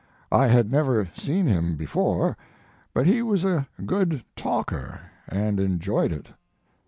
I had never seen him be fore, but he was a good talker and en joyed it.